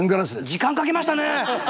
時間かけましたね！